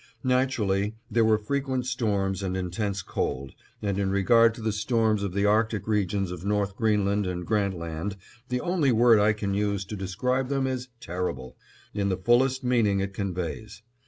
Naturally there were frequent storms and intense cold, and in regard to the storms of the Arctic regions of North Greenland and Grant Land, the only word I can use to describe them is "terrible," in the fullest meaning it conveys.